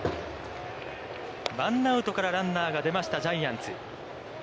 ワンアウトからランナーが出ましたジャイアンツ。